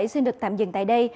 xin được tạm dừng tại đây